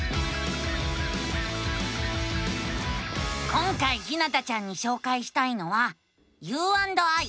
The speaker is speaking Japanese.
今回ひなたちゃんにしょうかいしたいのは「ｕ＆ｉ」。